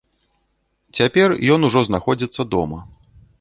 Цяпер ён ужо знаходзіцца дома.